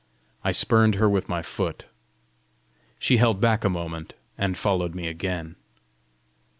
I spurned her with my foot. She held back a moment, and followed me again.